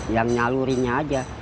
yang nyalurinnya aja